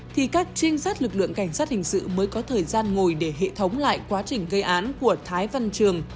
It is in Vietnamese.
thì các trinh sát lực lượng cảnh sát hình sự mới có thời gian ngồi để hệ thống lại quá trình gây án của thái văn trường